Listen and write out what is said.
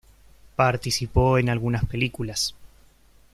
Participó en algunas películas.